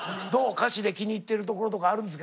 歌詞で気に入ってるところとかあるんですか？